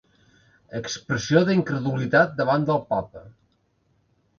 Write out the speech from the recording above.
Expressió d'incredulitat davant del Papa.